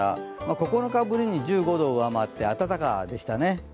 ９日ぶりに１５度を上回って暖かでしたね。